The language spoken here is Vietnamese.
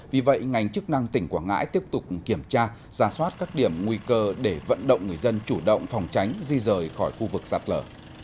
vì vậy ngành chức năng tỉnh quảng ngãi tiếp tục kiểm tra ra soát các điểm nguy cơ để vận động người dân chủ động phòng tránh di rời khỏi khu vực sạt lở